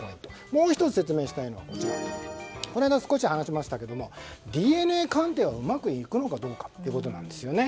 もう１つ、説明したいのはこの間、少し話しましたけどＤＮＡ鑑定はうまくいくのかどうかというところです。